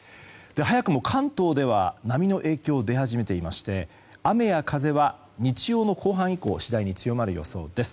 早くも関東では波の影響が出始めていまして雨や風は日曜の後半以降次第に強まる予想です。